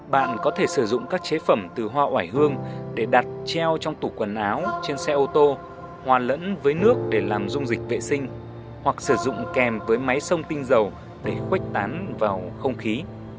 bạn có thể sử dụng các chế phẩm từ hoa oải hương để đặt treo trong tủ quần áo trên xe ô tô hòa lẫn với nước để làm dung dịch vệ sinh hoặc sử dụng kèm với máy sông tinh dầu để khuếch tán vào không khí